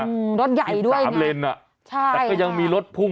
อืมรถใหญ่ด้วยทำเลนส์ใช่แล้วก็ยังมีรถพลุง